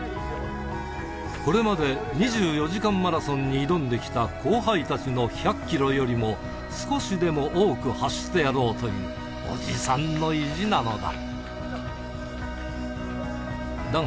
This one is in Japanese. これまで２４時間マラソンに挑んできた後輩たちの１００キロよりも、少しでも多く走ってやろうという、おじさんの意地なのだ。